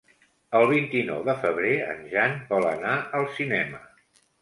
El vint-i-nou de febrer en Jan vol anar al cinema.